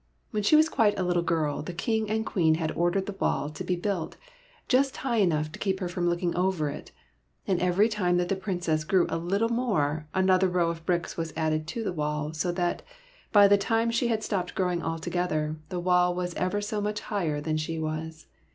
When she was quite a little girl, the King and Queen had ordered the wall to be built, just high enough to keep her from looking over it ; and every time that the Prin cess grew a little more, another row of bricks was added to the wall, so that, by the time she had stopped growing altogether, the wall was ever so much higher than she was.